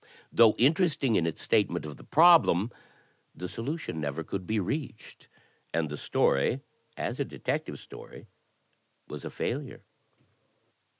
Though interesting in its statement of the problem, the solution never could be reached, and the story, as a Detective Story, was a failure.